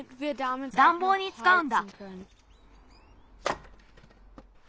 だんぼうにつかうんだ。